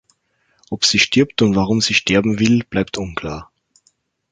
Ob sie stirbt und warum sie sterben will, bleibt unklar.